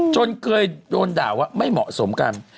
จนเคยโดนด่าว่าไม่เหมาะสมกัน